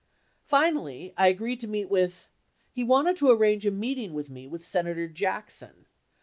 Finally, I agreed to meet with — he wanted to arrange a meeting with me with Senator Jack son.